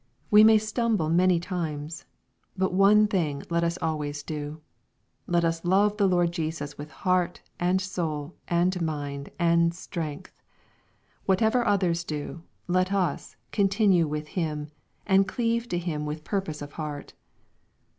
We may stumble many times. But one thing let us always do. Let us love the Lord Jesus with heart, and soul, and mind, and strength. Whatever others do, let us " continue with Him/' and cleave to Him with purpose of heart.